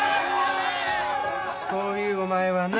そういうお前はな